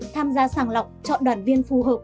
tham gia sàng lọc chọn đoàn viên phù hợp